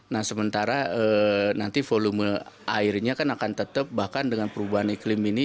nah sementara nanti volume airnya kan akan tetap bahkan dengan perubahan iklim ini